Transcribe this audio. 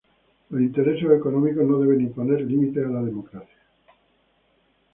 Los intereses económicos no deben imponer límites a la democracia.